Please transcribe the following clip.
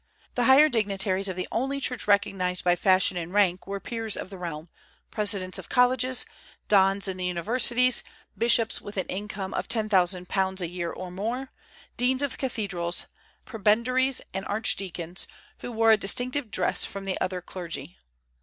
The higher dignitaries of the only church recognized by fashion and rank were peers of the realm, presidents of colleges, dons in the universities, bishops with an income of £10,000 a year or more, deans of cathedrals, prebendaries and archdeacons, who wore a distinctive dress from the other clergy.